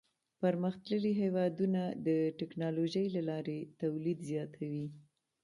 پرمختللي هېوادونه د ټکنالوژۍ له لارې تولید زیاتوي.